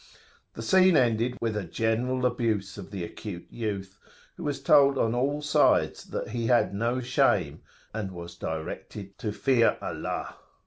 [FN#7] The scene ended with a general abuse of the acute youth, who was told on all sides that he had no shame, and was directed to "fear Allah."